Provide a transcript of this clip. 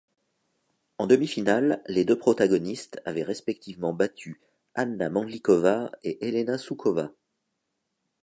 En demi-finale, les deux protagonistes avaient respectivement battu Hana Mandlíková et Helena Suková.